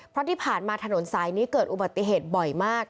เพราะที่ผ่านมาถนนสายนี้เกิดอุบัติเหตุบ่อยมาก